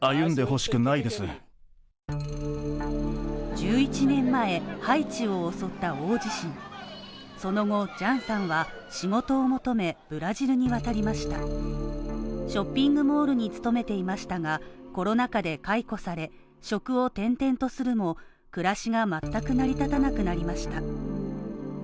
１１年前、ハイチを襲った大地震その後、ジャンさんは仕事を求め、ブラジルに渡りましたショッピングモールに勤めていましたが、コロナ禍で解雇され、職を転々とするも、暮らしが全く成り立たなくなりました。